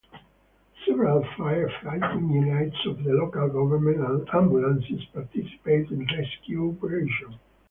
Several fire fighting units of the local government and ambulances participated in rescue operation.